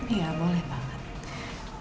iya boleh banget